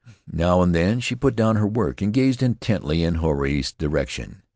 Now and then she put down her work and gazed intently in Huirai's direction.